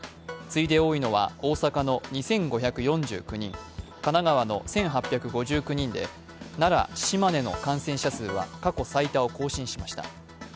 次いで多いのは大阪の２５４９人、神奈川の１８５９人で、奈良、島根の感染者数は過去最多を更新しました。